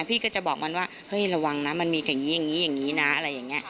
พี่ก็จะบอกมันว่าเฮ้ยระวังนะมันมีอย่างนี้อย่างนี้นะอะไรอย่างนี้